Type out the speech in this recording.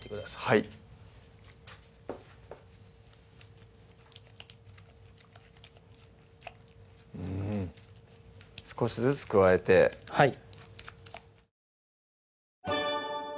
はいうん少しずつ加えてはい